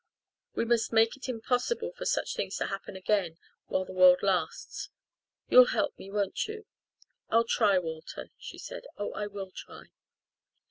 We must make it impossible for such things to happen again while the world lasts. You'll help me, won't you?" "I'll try, Walter," she said. "Oh, I will try."